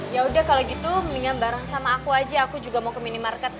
ya udah kalau gitu mendingan bareng sama aku aja aku juga mau ke minimarket